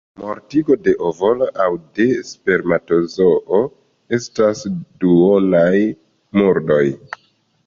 Mortigo de ovolo aŭ de spermatozoo estas duonaj murdoj.